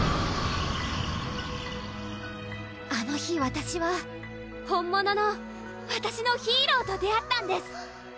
あの日わたしは本物のわたしのヒーローと出会ったんです！